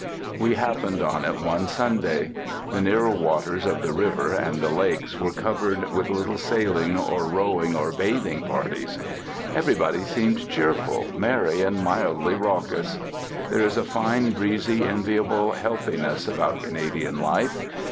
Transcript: We happened on it one Sunday. The nearer waters of the river and the lakes were covered with little sailing or rowing or bathing parties. Everybody seemed cheerful, merry, and mildly raucous. There is a fine, breezy, enviable healthiness about Canadian life.